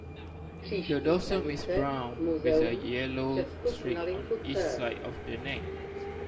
The dorsum is brown, with a yellow streak on each side of the neck.